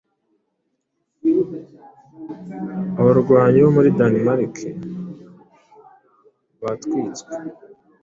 Abarwanyi bo muri Danemark batwitswe